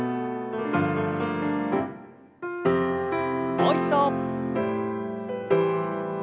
もう一度。